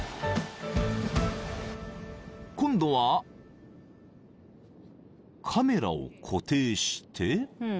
［今度はカメラを固定して］